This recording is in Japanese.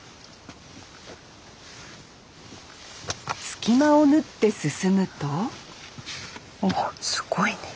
隙間を縫って進むとおおすごいね。